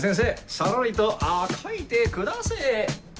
さらりとあ描いてくだせぇ。